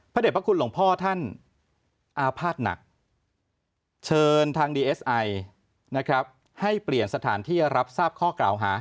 เด็จพระคุณหลวงพ่อท่านอาภาษณ์หนักเชิญทางดีเอสไอนะครับให้เปลี่ยนสถานที่รับทราบข้อกล่าวหา